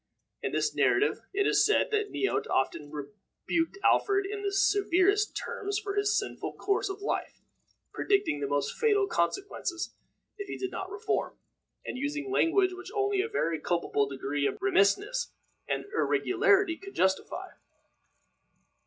In this narrative it is said that Neot often rebuked Alfred in the severest terms for his sinful course of life, predicting the most fatal consequences if he did not reform, and using language which only a very culpable degree of remissness and irregularity could justify.